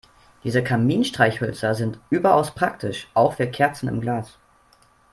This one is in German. Diese Kaminstreichhölzer sind überaus praktisch, auch für Kerzen im Glas.